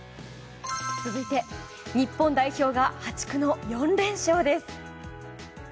続いて日本代表が破竹の４連勝です。